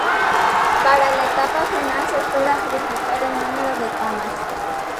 Para la etapa final se espera triplicar el número de camas.